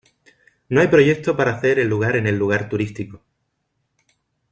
No hay proyecto para hacer el lugar en un lugar turístico.